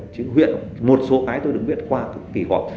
chứ huyện một số cái tôi được viết qua tôi kỳ họp